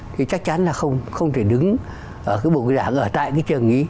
thì chắc chắn là không thể đứng ở cái bộ giảng ở tại cái trường ý